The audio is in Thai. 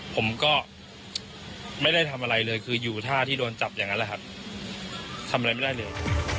ผมก็ไม่ได้ทำอะไรเลยคืออยู่ท่าที่โดนจับอย่างนั้นแหละครับทำอะไรไม่ได้เลย